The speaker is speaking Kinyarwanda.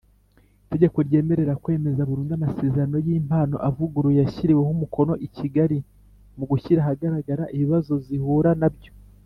Itegeko ryemerera kwemeza burundu amasezerano y impano avuguruye yashyiriweho umukono i Kigali mu Gushyira ahagaragara ibibazo zihura nabyo